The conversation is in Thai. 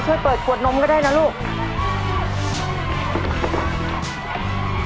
ช่วยเปิดขวดก็ได้ลูกไก่